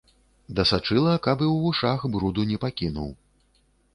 Дасачыла, каб і ў вушах бруду не пакінуў.